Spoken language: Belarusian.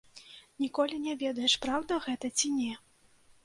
Ніколі не ведаеш, праўда гэта ці не.